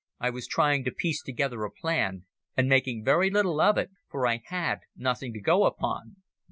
I was trying to piece together a plan, and making very little of it, for I had nothing to go upon.